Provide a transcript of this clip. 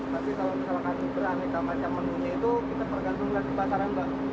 tapi kalau misalkan beraneka macam menunya itu kita bergantung lagi pasaran mbak